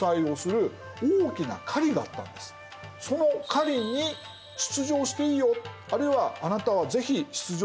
「その狩りに出場していいよ」あるいは「あなたは是非出場してください」